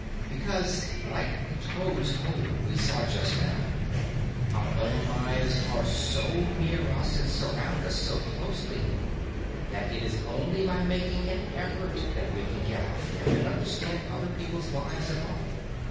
"Because, like the toad's hole we saw just now, our own lives are so near us and surround us so closely, that it is only by making an effort that we can get out of them and understand other people's lives at all.